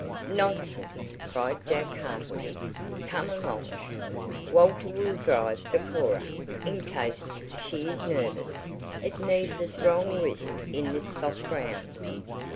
"Nonsense!" cried Jack heartily. "Come along. Walter will drive for Cora, in case she is nervous. It needs a strong wrist in this soft ground."